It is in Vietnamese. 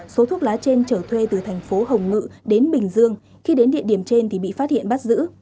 số thuốc lá trên trở thuê từ thành phố hồng ngự đến bình dương khi đến địa điểm trên thì bị phát hiện bắt giữ